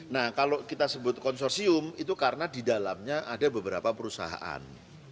nah kalau kita sebut konsorsium itu karena di dalamnya ada beberapa perusahaan